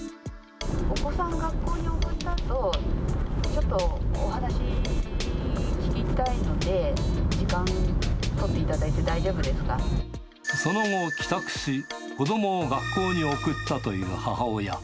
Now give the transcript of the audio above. お子さん学校に送ったあと、ちょっとお話、聞きたいので、時間を取っていただいて大丈夫でその後、帰宅し、子どもを学校に送ったという母親。